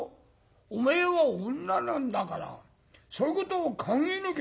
おめえは女なんだからそういうことを考えなきゃ駄目だよ。